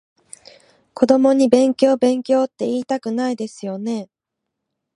子供に勉強勉強っていいたくないですよね？